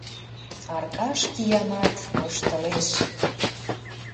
Аркаш, киямат, воштылеш.